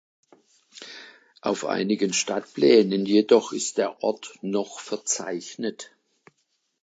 Auf einigen Stadtplänen jedoch ist der Ort noch verzeichnet.